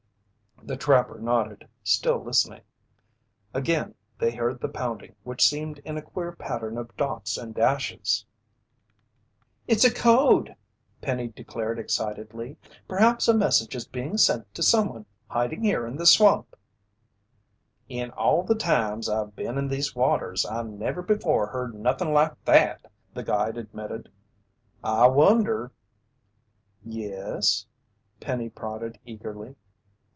The trapper nodded, still listening. Again they heard the pounding which seemed in a queer pattern of dots and dashes. "It's a code!" Penny declared excitedly. "Perhaps a message is being sent to someone hiding here in the swamp!" "In all the times I've been in these waters, I never before heard nothin' like that," the guide admitted. "I wonder " "Yes?" Penny prodded eagerly.